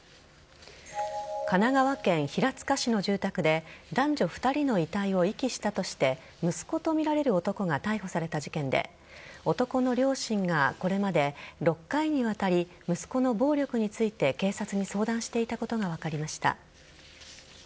神奈川県平塚市の住宅で男女２人の遺体を遺棄したとして息子とみられる男が逮捕された事件で男の両親がこれまで６回にわたり息子の暴力について警察に相談していたことが分かりました。